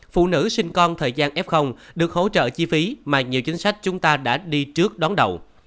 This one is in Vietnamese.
phụ nữ sinh con thời gian f được hỗ trợ chi phí mà nhiều chính sách chúng ta đã đi trước đón đầu